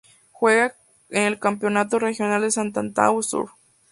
Juega en el Campeonato regional de Santo Antão Sur.